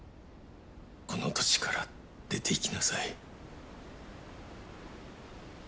この土地から出ていきなさい。